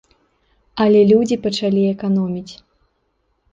Але людзі пачалі эканоміць.